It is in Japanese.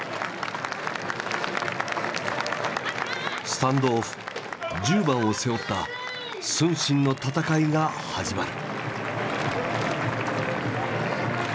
スタンドオフ１０番を背負った承信の戦いが始まる。